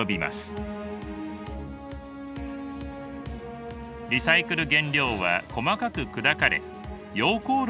リサイクル原料は細かく砕かれ溶鉱炉へと運ばれていきます。